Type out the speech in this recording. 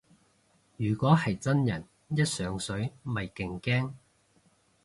如果係真人一上水咪勁驚